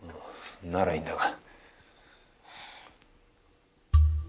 ならいいんだが。